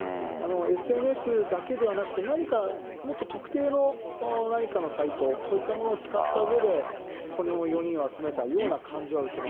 ＳＮＳだけではなくて、何かもっと特定の何かのサイト、そういったものを使ったうえで、この４人を集めたような感じは受けます。